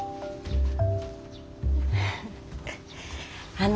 あの。